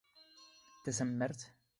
ⵖⵓⵔⵉ ⵉⴷⵊ ⵏ ⵓⵙⵇⵙⵉ.